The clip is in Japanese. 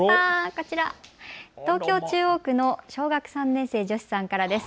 こちら、東京中央区の小学３年生女子さんからです。